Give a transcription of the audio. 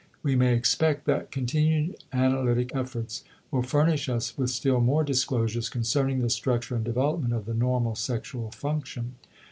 We may expect that continued analytic efforts will furnish us with still more disclosures concerning the structure and development of the normal sexual function.